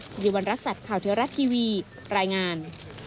สิริวัณรักษัตริย์ข่าวเทวรัฐทีวีรายงาน